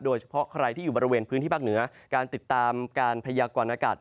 โดยเฉพาะใครที่อยู่บริเวณพื้นที่ภาคเหนือการติดตามการพยากรณากาศ